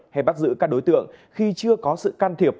hay bắt giữ các đối tượng khi chưa có sự can thiệp